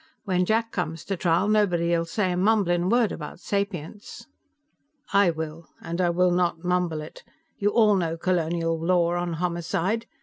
"When Jack comes to trial, nobody'll say a mumblin' word about sapience." "I will, and I will not mumble it. You all know colonial law on homicide.